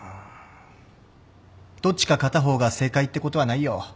どっちか片方が正解ってことはないよ。